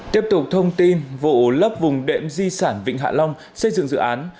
tiếp tục thông tin vụ lấp vùng đệm di sản vịnh hạ long xây dựng dự án